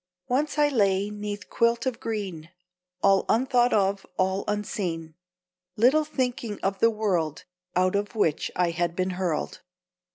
Once I lay 'neath quilt of green, All unthought of, all unseen; Little thinking of the world Out of which I had been hurled.